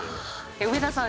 上田さん